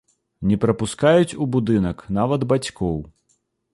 Не прапускаюць у будынак нават бацькоў.